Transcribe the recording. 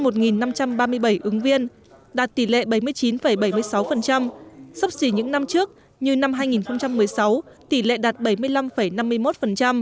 tổng số ứng viên đặt tỷ lệ bảy mươi chín bảy mươi sáu sắp xỉ những năm trước như năm hai nghìn một mươi sáu tỷ lệ đặt bảy mươi năm năm mươi một